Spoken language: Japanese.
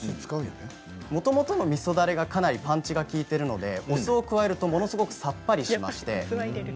もともとのみそだれがかなりパンチが利いているのでお酢を加えるとものすごくさっぱりします。